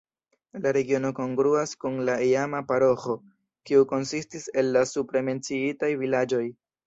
La regiono kongruas kun la iama paroĥo, kiu konsistis el la supre menciitaj vilaĝoj.